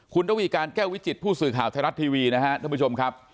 คุณละวีการแก้ววิจิตผู้สื่อข่าวธนัดทีวีนะครับ